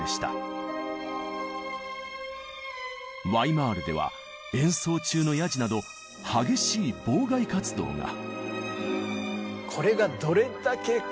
ワイマールでは演奏中のやじなど激しい妨害活動が。